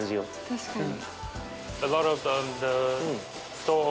確かに。